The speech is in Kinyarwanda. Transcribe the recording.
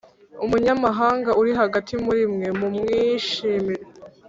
umunyamahanga uri hagati muri mwe mu mwishimire